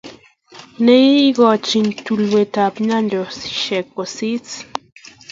Nei kochini tuletab nyanjoshiek kosis